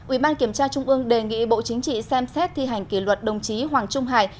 ủy ban kiểm tra trung ương đề nghị bộ chính trị xem xét thi hành kỷ luật đồng chí hoàng trung hải